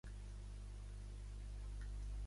Quan el caragol canta és quan està més trist.